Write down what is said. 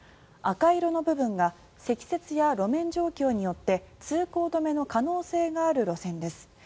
赤色の部分が積雪や路面状況によって通行止めの可能性がある路線です。